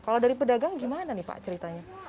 kalau dari pedagang gimana nih pak ceritanya